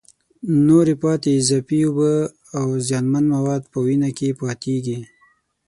نورې پاتې اضافي اوبه او زیانمن مواد په وینه کې پاتېږي.